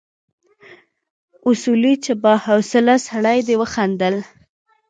اصولي چې با حوصله سړی دی وخندل.